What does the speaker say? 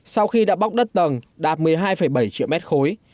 sau khi đạp bóc đất tầng đạp một mươi hai bảy triệu mét khối